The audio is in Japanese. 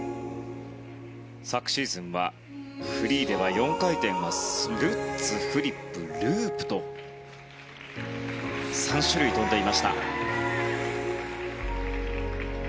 昨シーズンはフリーでは４回転はルッツ、フリップ、ループと３種類跳んでいました。